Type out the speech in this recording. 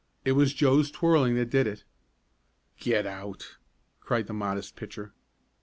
"It was Joe's twirling that did it." "Get out!" cried the modest pitcher.